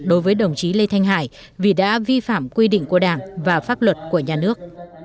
đối với đồng chí lê thanh hải vì đã vi phạm quy định của đảng và pháp luật của nhà nước